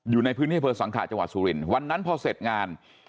อยู่ในพื้นที่อำเภอสังขะจังหวัดสุรินทร์วันนั้นพอเสร็จงาน